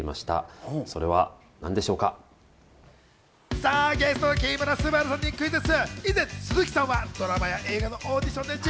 さぁ、ゲストの木村昴さんにクイズッス！